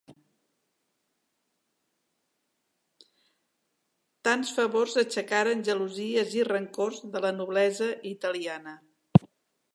Tants favors aixecaren gelosies i rancors de la noblesa italiana.